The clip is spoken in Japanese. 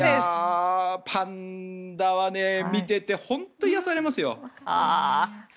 パンダは見てて本当に癒やされますよ。